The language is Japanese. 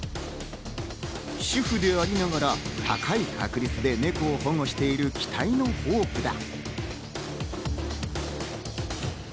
主婦でありながら高い確率でネコを保護している期待のホープだ。